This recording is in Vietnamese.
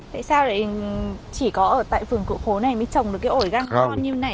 tại sao chỉ có ở tại phương cựu khối